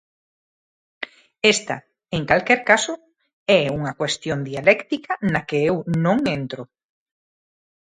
Esta, en calquera caso: "é unha cuestión dialéctica na que eu non entro".